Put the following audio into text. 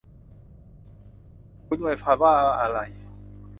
คุณอวยพรว่าอะไร